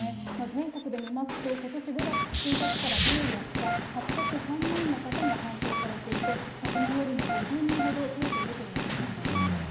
全国で見ますと、ことし５月１日から１４日、８０３人の方が搬送されていて、昨年よりも５０人ほど増えているということになります。